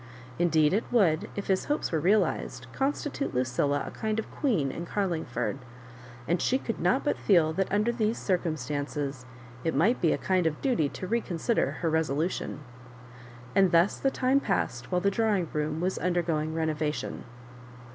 Indeed, it would, if his hopes were realised, constitute Lucilla a kind of queen in Carlingford, and she could not but feel that, under these circumstances, it might be a kind of duty to reconsider her resolution. And thus the time pas^d while the drawing room was under going renovation.